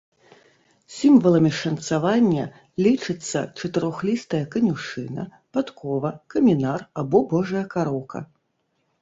Сімваламі шанцавання лічацца чатырохлістая канюшына, падкова, камінар або божая кароўка.